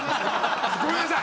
ごめんなさい！